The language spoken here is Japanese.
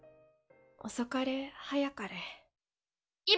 遅かれ早かれ。